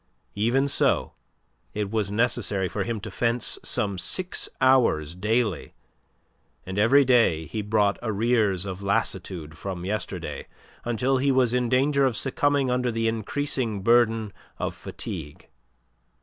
Even so, it was necessary for him to fence some six hours daily, and every day he brought arrears of lassitude from yesterday until he was in danger of succumbing under the increasing burden of fatigue.